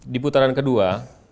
di putaran kedua